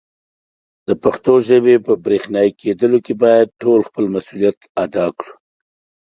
د پښتو ژبې په برښنایې کېدلو کې باید ټول خپل مسولیت ادا کړي.